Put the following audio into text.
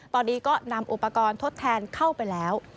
ตอนนี้ก็นำอุปกรณ์ทดแทนเข้าไปแล้ว